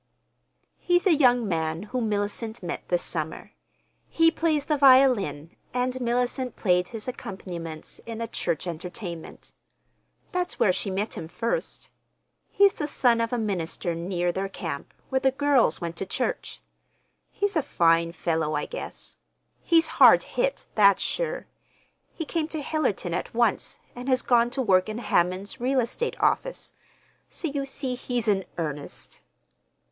"He's a young man whom Mellicent met this summer. He plays the violin, and Mellicent played his accompaniments in a church entertainment. That's where she met him first. He's the son of a minister near their camp, where the girls went to church. He's a fine fellow, I guess. He's hard hit—that's sure. He came to Hillerton at once, and has gone to work in Hammond's real estate office. So you see he's in earnest."